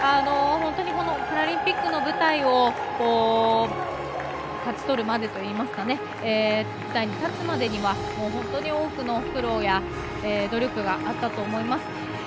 本当にパラリンピックの舞台を勝ち取るまでといいますが舞台に立つまでには本当に多くの努力や苦労があったと思います。